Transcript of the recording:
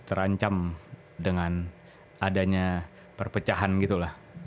terancam dengan adanya perpecahan gitu lah